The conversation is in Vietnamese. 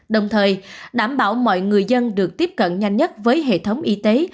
đồng thời đảm bảo mọi người dân được tiếp cận nhanh nhất với hệ thống y tế